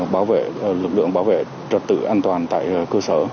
bảo vệ lực lượng bảo vệ trật tự an toàn tại cơ sở